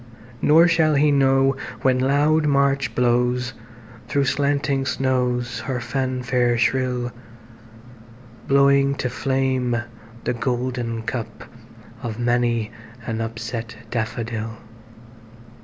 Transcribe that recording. Nor shall he know when loud March blowsThro' slanting snows her fanfare shrill, Blowing to flame the golden cupOf many an upset daffodil.